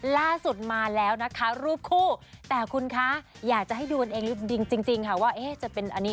ล่าสุดมาแล้วนะคะรูปคู่แต่คุณคะอยากจะให้ดูกันเองจริงค่ะว่าจะเป็นอันนี้